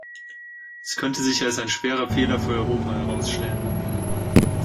Es könnte sich als ein schwerer Fehler für Europa herausstellen!